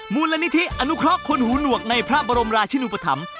มูลนิธิอนุเคราะห์คนหูหนวกในพระบรมราชินุปธรรม